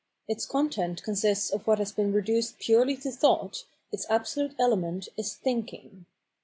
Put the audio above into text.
Its content consists of what has been reduced purely to thought, its absolute element is thinMng.